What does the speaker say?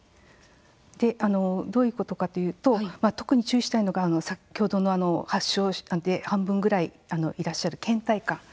どういうことかというと特に注意したいのが先ほどの発症で半分ぐらいいらっしゃるけん怠感。